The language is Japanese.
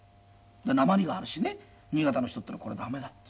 「なまりがあるしね新潟の人っていうのはこれ駄目だ」って。